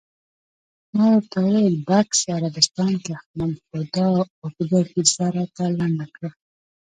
ما ورته وویل: بکس عربستان کې اخلم، خو دا اوږده کیسه راته لنډه کړه.